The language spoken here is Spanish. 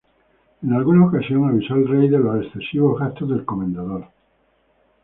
En alguna ocasión avisó al rey de los excesivos gastos del comendador.